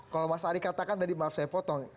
kalau mas ari katakan tadi maaf saya potong